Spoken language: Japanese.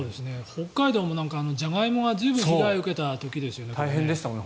北海道もジャガイモが随分被害を受けた時ですよね。